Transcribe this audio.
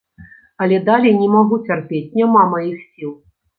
Але далей не магу цярпець, няма маіх сіл.